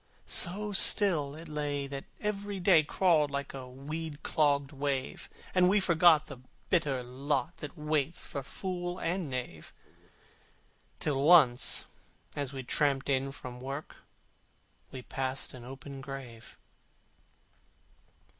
So still it lay that every day Crawled like a weed clogged wave: And we forgot the bitter lot That waits for fool and knave, Till once, as we tramped in from work, We passed an open grave.